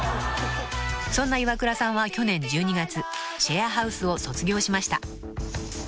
［そんなイワクラさんは去年１２月シェアハウスを卒業しました］